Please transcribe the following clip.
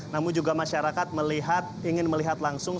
namun juga masyarakat melihat ingin melihat langsung